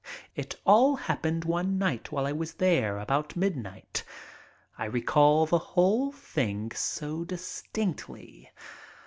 It all happened one night while I was there, about midnight. I recall the whole thing so distinctly.